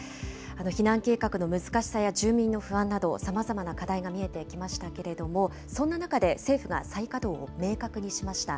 避難計画の難しさや住民の不安など、さまざまな課題が見えてきましたけれども、そんな中で、政府が再稼働を明確にしました。